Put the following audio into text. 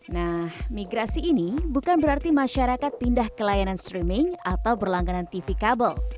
nah migrasi ini bukan berarti masyarakat pindah ke layanan streaming atau berlangganan tv kabel